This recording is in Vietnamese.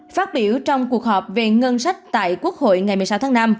phát biểu trong cuộc họp về ngân sách tại quốc hội ngày một mươi sáu tháng năm